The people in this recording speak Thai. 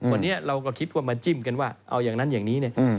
วันนี้เราก็คิดว่ามาจิ้มกันว่าเอาอย่างนั้นอย่างนี้เนี่ย